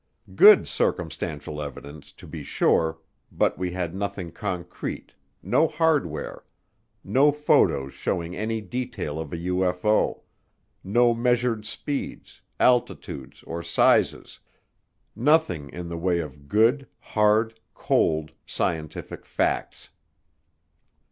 Good circumstantial evidence, to be sure, but we had nothing concrete, no hardware, no photos showing any detail of a UFO, no measured speeds, altitudes, or sizes nothing in the way of good, hard, cold, scientific facts.